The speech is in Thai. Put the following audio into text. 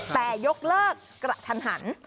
แต่ยกเลิกกระทันหัน